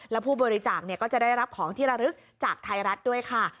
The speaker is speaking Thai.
และผู้บริจาคก็จะได้รับของที่ระลึกจากไทยรัฐด้วยค่ะ